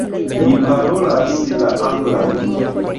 Li parolas la anglan.